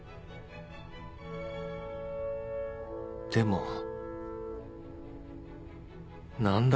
でも何だ？